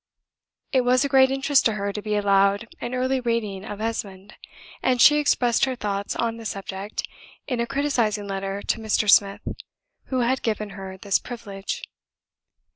It was a great interest to her to be allowed an early reading of Esmond; and she expressed her thoughts on the subject, in a criticising letter to Mr. Smith, who had given her this privilege.